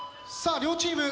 両チーム